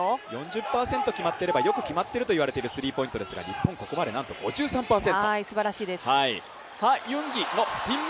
４０％決まっていればよく決まっているといわれるスリーポイントですが、日本はなんと５３％。